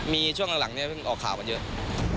มีช่วงหลังนี่ออกข่าวมาเยอะ